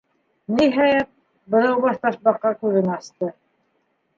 Ниһайәт, Быҙаубаш Ташбаҡа күҙен асты.